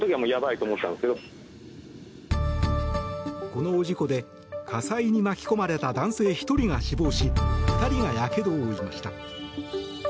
この事故で火災に巻き込まれた男性１人が死亡し２人がやけどを負いました。